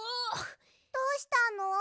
どうしたの？